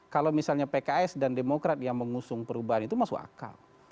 kalau misalnya pks dan demokrat yang mengusung perubahan itu masuk akal